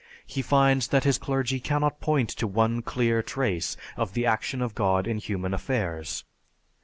He finds that his clergy cannot point to one clear trace of the action of God in human affairs.